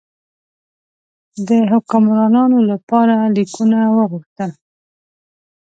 د حکمرانانو لپاره لیکونه وغوښتل.